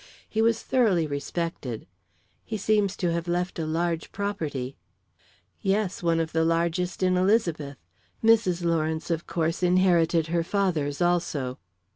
He was thoroughly respected." "He seems to have left a large property." "Yes; one of the largest in Elizabeth. Mrs. Lawrence, of course, inherited her father's, also."